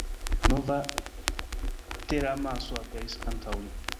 Nova teramaso aperis antaŭ li.